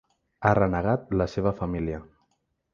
Ha renegat la seva família.